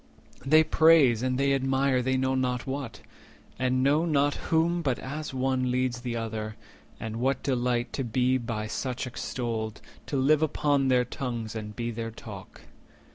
They praise and they admire they know not what, And know not whom, but as one leads the other; And what delight to be by such extolled, To live upon their tongues, and be their talk?